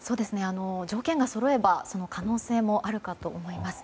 条件がそろえばその可能性もあるかと思います。